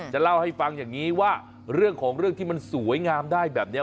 จะเล่าให้ฟังอย่างนี้ว่าเรื่องของเรื่องที่มันสวยงามได้แบบนี้